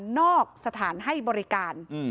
นอกสถานให้บริการ